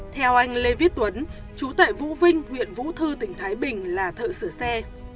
theo anh lê viết tuấn chú tại vũ vinh huyện vũ thư tỉnh thái bình là thợ sửa xe